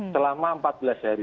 selama empat belas hari